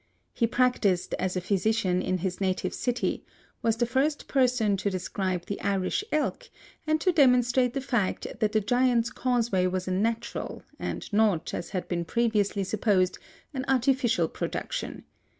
He practised as a physician in his native city, was the first person to describe the Irish Elk and to demonstrate the fact that the Giant's Causeway was a natural and not, as had been previously supposed, an artificial production.